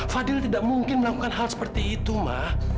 padil tidak mungkin melakukan hal seperti itu ma